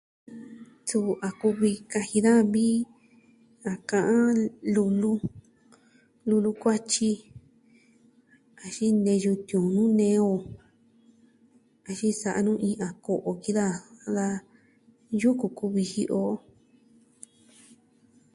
Suu a kuvi kaji daja vi a ka'an lu'lu, lu'lu kuatyi, axin neyu tiuun nuu nee on. Axin sa'a nu iin a ko'o jin da, da yuku kuviji o.